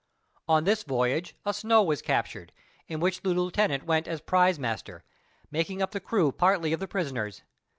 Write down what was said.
On this voyage a snow was captured, in which the Lieutenant went as prize master, making up the crew partly of the prisoners.